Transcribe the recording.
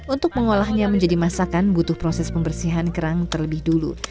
untuk mengolahnya menjadi masakan butuh proses pembersihan kerang terlebih dulu